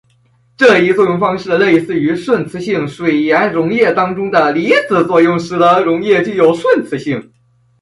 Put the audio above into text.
这一作用方式类似于顺磁性水盐溶液当中的离子作用使得溶液具有顺磁性。